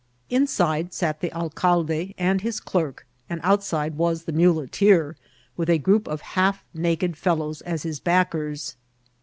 In* side sat the alcalde and his clerk, and outside uras the muleteer, with a group of half naked fellows as his backers.